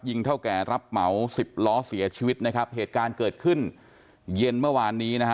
เท่าแก่รับเหมาสิบล้อเสียชีวิตนะครับเหตุการณ์เกิดขึ้นเย็นเมื่อวานนี้นะฮะ